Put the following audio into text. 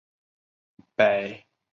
北魏绎幕县属于东清河郡。